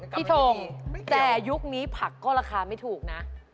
พี่ทงแต่ยุคนี้ผักก็ราคาไม่ถูกนะไม่เกี่ยว